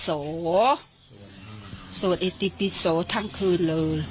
สวัสดีที่ตีสวุคทั้งคืนเลย